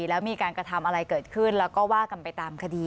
แล้วมีการกระทำอะไรเกิดขึ้นแล้วก็ว่ากันไปตามคดี